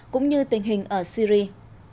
cũng như tình hình ở syria